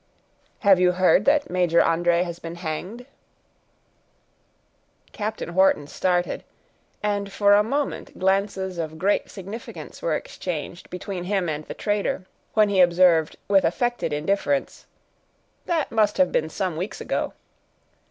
"Have you heard that Major André has been hanged?" Captain Wharton started, and for a moment glances of great significance were exchanged between him and the trader, when he observed, with affected indifference, "That must have been some weeks ago."